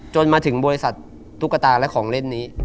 มาถึงบริษัทตุ๊กตาและของเล่นนี้